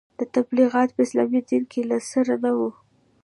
دا تبلیغات په اسلامي دین کې له سره نه وو.